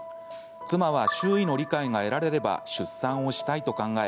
妻は周囲の理解が得られれば出産をしたいと考え